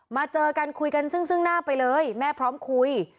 เจอกันคุยกันซึ่งหน้าไปเลยแม่พร้อมคุย